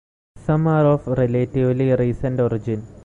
Some are of relatively recent origin.